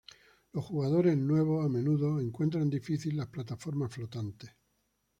Los jugadores nuevos a menudo encuentran difícil las plataformas flotantes.